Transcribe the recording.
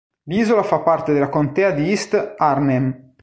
L'isola fa parte della contea di East Arnhem.